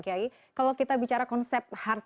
gapai kemuliaan akan kembali